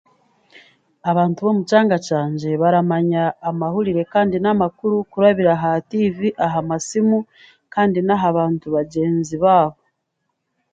Abantu b'omukyanga kyangye bamanya amahurire kandi n'amakuru kurabira ha tiivi, aha masimu kandi n'aha bantu bagyenzi baabo.